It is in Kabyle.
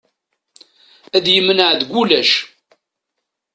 Ad yemneɛ deg ulac.